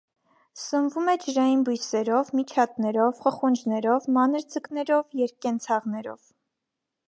Սնվում է ջրային բույսերով, միջատներով, խխունջներով, մանր ձկներով, երկկենցաղներով։